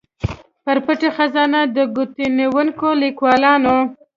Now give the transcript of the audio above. پر پټه خزانه د ګوتنیونکو ليکوالانو